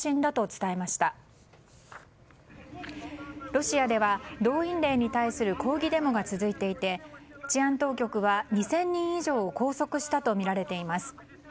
ロシアでは動員令に対する抗議デモが続いていて治安当局は２０００人以上を拘束したとみられています。